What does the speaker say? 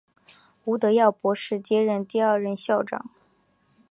吴德耀博士接任第二任校长。